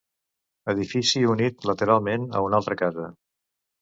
Edifici unit lateralment a una altra casa.